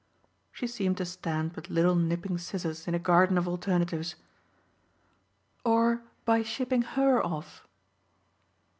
She seemed to stand with little nipping scissors in a garden of alternatives. "Or by shipping HER off.